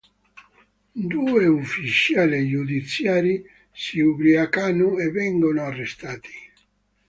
Due ufficiali giudiziari si ubriacano e vengono arrestati.